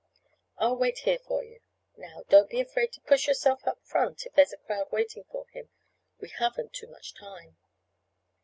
"I'll wait here for you. Now, don't be afraid to push yourself up front if there's a crowd waiting for him. We haven't any too much time."